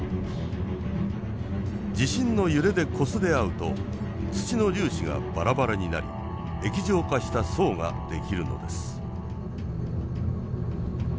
地震の揺れでこすれ合うと土の粒子がばらばらになり液状化した層が出来るのです。